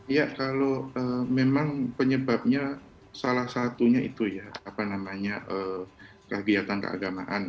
ya kalau memang penyebabnya salah satunya itu ya apa namanya kegiatan keagamaan